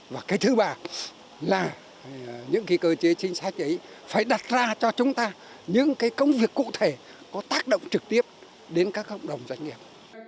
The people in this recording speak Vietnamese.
và cái thứ ba là những cái cơ chế chính sách ấy phải đặt ra cho chúng ta những cái công việc cụ thể có tác động trực tiếp đến các cộng đồng doanh nghiệp